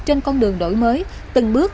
trên con đường đổi mới từng bước